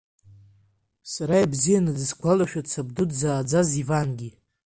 Сара ибзианы дысгәалашәоит сабду дзааӡаз Ивангьы.